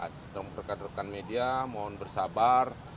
tuan tuan berkadukan media mohon bersabar